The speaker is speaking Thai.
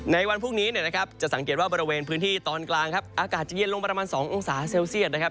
ในวันพรุ่งนี้นะครับจะสังเกตว่าบริเวณพื้นที่ตอนกลางครับอากาศจะเย็นลงประมาณ๒องศาเซลเซียตนะครับ